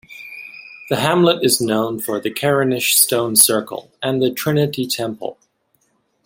The hamlet is known for the Carinish Stone Circle and the Trinity Temple.